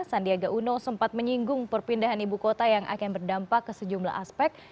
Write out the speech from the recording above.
sandiaga uno sempat menyinggung perpindahan ibu kota yang akan berdampak ke sejumlah aspek